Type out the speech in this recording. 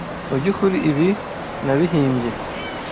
Mubyukuri, ibi nabihimbye.